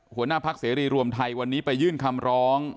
หัวหน้าพักเสรีรวมไทยวันนี้ไปยื่นคำร้อง